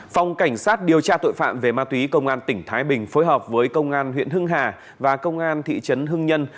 phòng cảnh sát điều tra tội phạm về ma túy công an tỉnh thái bình phối hợp với công an huyện hưng hà và công an thị trấn hưng nhân